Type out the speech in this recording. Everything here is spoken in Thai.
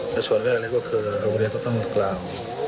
ในส่วนแรกก็คือโรงเรียนก็ต้องกล่าว